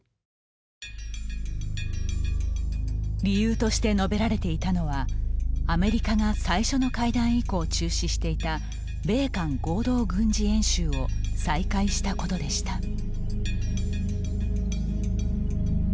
理由として述べられていたのはアメリカが最初の会談以降中止していた米韓合同軍事演習を再開したことでした。